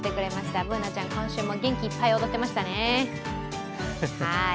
Ｂｏｏｎａちゃん、今週も元気いっぱい踊っていましたね。